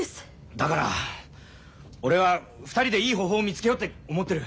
だから俺は２人でいい方法を見つけようって思ってる。